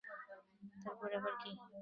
তার পরে আবার কী?